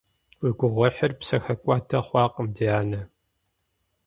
Уи гугъуехьыр псэхэкӀуадэ хъуакъым, ди анэ.